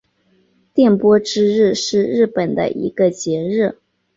电波之日是日本的一个节日。